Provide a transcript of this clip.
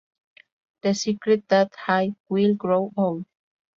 The secret that I hide, Will I grow old?".